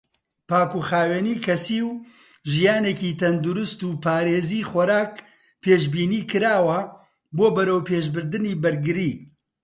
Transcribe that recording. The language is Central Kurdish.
پاکوخاوێنی کەسی و ژیانێکی تەندروست و پارێزی خۆراک پێشبینیکراوە بۆ بەرەوپێشبردنی بەرگری.